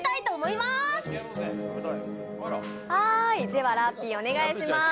ではラッピー、お願いします